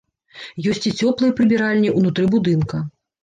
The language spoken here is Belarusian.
Ёсць і цёплыя прыбіральні ўнутры будынка.